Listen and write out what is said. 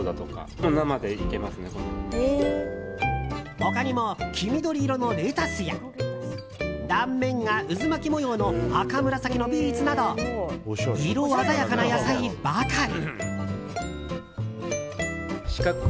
他にも黄緑色のレタスや断面が渦巻き模様の赤紫のビーツなど色鮮やかな野菜ばかり。